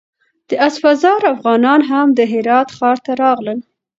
د اسفزار افغانان هم د هرات ښار ته راغلل.